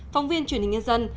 phóng viên truyền hình nhân dân